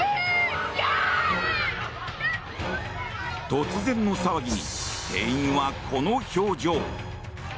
突然の騒ぎに店員はこの表情。